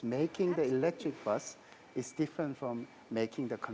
karena elektrik dengan vokas tinggi berjalan